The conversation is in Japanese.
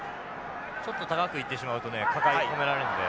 ちょっと高くいってしまうとね止められるので。